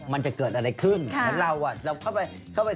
มันจะเกิดอะไรขึ้นถ้าเราเข้าไปสนุกสนาน